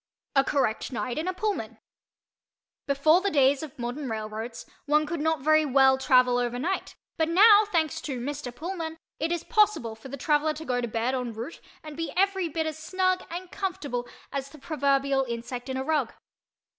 A CORRECT NIGHT IN A PULLMAN Before the days of modern railroads one could not very well travel over night but now, thanks to Mr. Pullman, it is possible for the traveller to go to bed en route and be every bit as snug and comfortable as the proverbial insect in a rug.